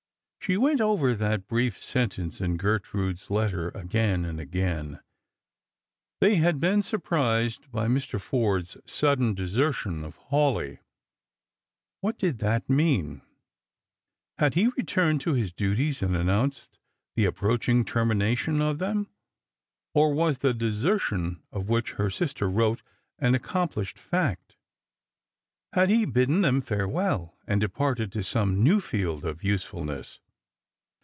She went over that brief sentence in Gertrude's letter again and a^ain ;" they had been surprised by Mr. Forde's sudden desertion of Hawleigh." What did that mean ? Had he returned to his duties and announced the approaching termination of them ? or was the " desei tion " of which her sister wrote an accomplished fact ? Had he bidden them farewell, and departed to some new field of usefulness